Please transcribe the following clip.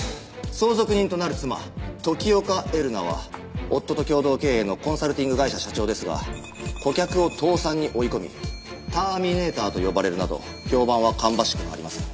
相続人となる妻時岡江留奈は夫と共同経営のコンサルティング会社社長ですが顧客を倒産に追い込み「ターミネーター」と呼ばれるなど評判は芳しくありません。